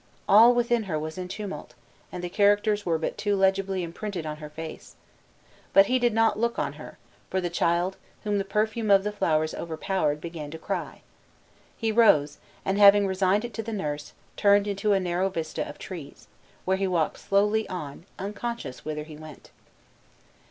All within her was in tumult, and the characters were but too legibly imprinted on her face. But he did not look on her; for the child, whom the perfume of the flowers overpowered, began to cry. He rose, and having resigned it to the nurse, turned into a narrow vista of trees, where he walked slowly on, unconscious whither he went.